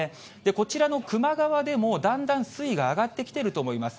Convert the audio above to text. こちらの球磨川でも、だんだん水位が上がってきていると思います。